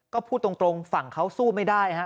ก็พูดตรงฝั่งเขาสู้ไม่ได้ฮะ